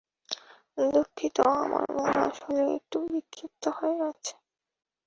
দুঃখিত, আমার মন আসলে একটু বিক্ষিপ্ত হয়ে আছে।